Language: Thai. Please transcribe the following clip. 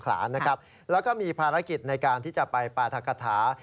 แล้วก็มีภารกิจในการที่จะไปปรากฏา